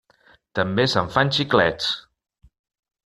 També se'n fan xiclets.